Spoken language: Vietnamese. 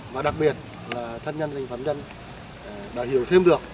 và đặc biệt là thân nhân thành phạm nhân đã hiểu thêm được